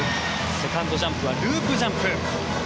セカンドジャンプはループジャンプ。